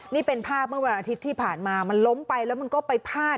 นี่เป็นภาพเมื่อวันอาทิตย์ที่ผ่านมามันล้มไปแล้วมันก็ไปพาด